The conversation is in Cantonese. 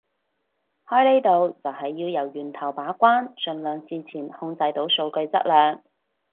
開呢度就係要由源頭把關盡量事前控制到數據質量